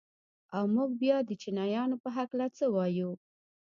او موږ بيا د چينايانو په هکله څه وايو؟